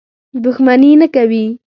دښمني نه کوي.